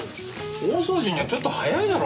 大掃除にはちょっと早いだろ？